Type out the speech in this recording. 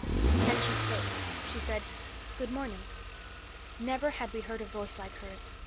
Then she spoke; she said, "Good morning." Never had we heard a voice like hers.